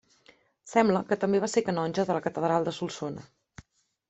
Sembla que també va ser canonge de la catedral de Solsona.